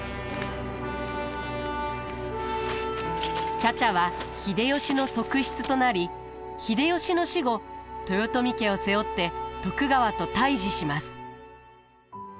茶々は秀吉の側室となり秀吉の死後豊臣家を背負って徳川と対じします。